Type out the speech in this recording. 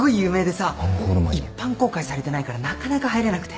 一般公開されてないからなかなか入れなくて。